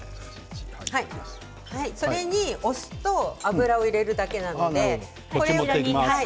それにお酢と油を入れるだけなので。